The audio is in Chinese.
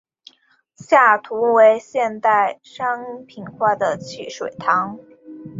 下图为现代商品化的汽水糖。